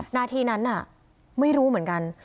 นาทีนั้นน่ะไม่รู้เหมือนกัน